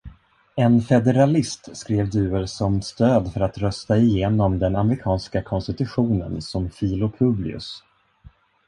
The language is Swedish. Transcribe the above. En Federalist, skrev Duer som stöd för att rösta igenom den amerikanska konstitutionen som ”Philo-Publius”.